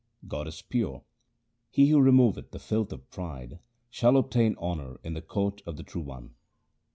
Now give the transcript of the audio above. God is pure : he who removeth the filth of pride shall obtain honour in the court of the True One.